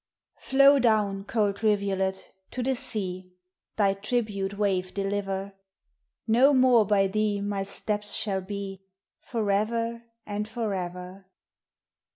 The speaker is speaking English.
Flow down, cold rivulet, to the sea Thy tribute wave deliver: No more by thee my steps shall be, For ever and for ever.